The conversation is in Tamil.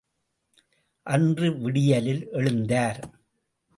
அன்று விடியலில் எழுந்தார்.